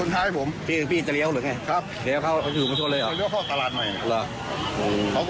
เขาก็วิ่งไว้มาชุดท้ายให้ผม